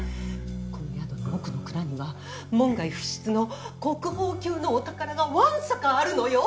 この宿の奥の蔵には門外不出の国宝級のお宝がわんさかあるのよ！